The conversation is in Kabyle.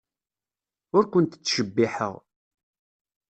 Ur kent-ttcebbiḥeɣ.